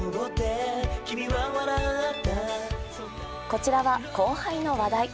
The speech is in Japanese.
こちらは後輩の話題。